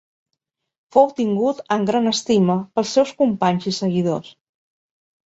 Fou tingut en gran estima pels seus companys i seguidors.